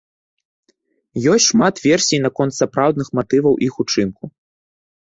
Ёсць шмат версій наконт сапраўдных матываў іх учынку.